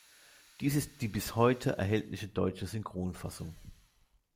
Dies ist die bis heute erhältliche deutsche Synchronfassung.